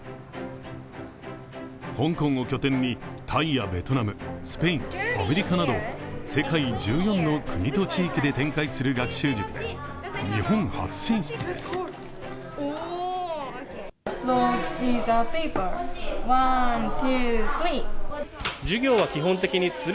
香港を拠点に、タイやベトナムスペイン、アメリカなど世界１４の国と地域で展開する学習塾で日本初進出です。